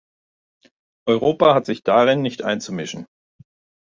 Europa hat sich darin nicht einzumischen.